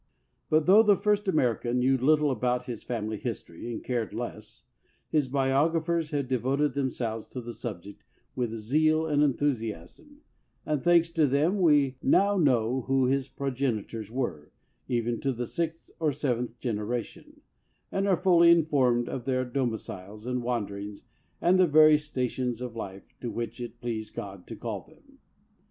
But though the first American knew little about his family history and cared less, his biog raphers have devoted themselves to the subject with zeal and enthusiasm, and, thanks to them, we now know who his progenitors were, even to the 3 LINCOLN THE LAWYER sixth or seventh generation, and are fully in formed of their domiciles and wanderings and the various stations of life to which it pleased God to call them.